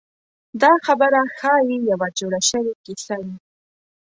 دا خبره ښایي یوه جوړه شوې کیسه وي.